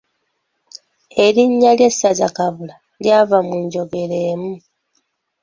Erinnya ly’essaza Kabula, lyava mu njogera emu.